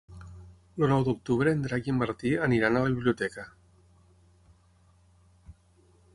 El nou d'octubre en Drac i en Martí aniran a la biblioteca.